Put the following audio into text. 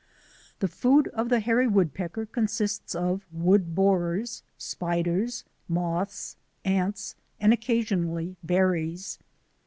The food of the hairy woodpecker consists of wood borers, spiders, moths, ants, and occasionally berries.